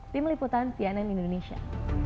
tim liputan tnn indonesia